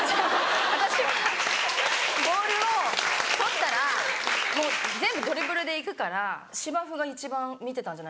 私はボールを取ったらもう全部ドリブルで行くから芝生が一番見てたんじゃないかな。